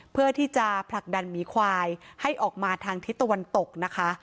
เพื่อที่จะผลักดันหมีควายให้ออกมาทางทิศตะวันตกนะคะ